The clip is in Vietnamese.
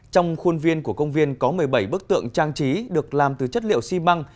trong khuôn viên của công viên có một mươi bảy bức tượng trang trí được làm từ chất liệu xi măng